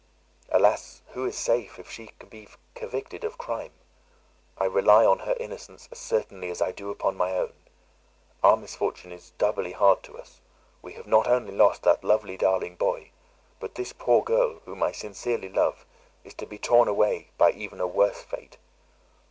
Alas! who is safe, if she be convicted of crime? I rely on her innocence as certainly as I do upon my own. Our misfortune is doubly hard to us; we have not only lost that lovely darling boy, but this poor girl, whom I sincerely love, is to be torn away by even a worse fate.